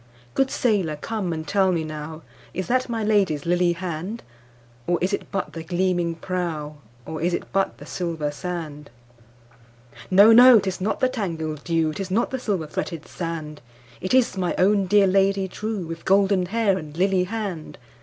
Good sailor come and tell me nowIs that my Lady's lily hand? Or is it but the gleaming prow, Or is it but the silver sand? No! no! 'tis not the tangled dew,'Tis not the silver fretted sand, It is my own dear Lady trueWith golden hair and lily hand!